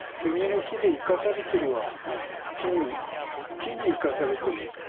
木に生かされてる。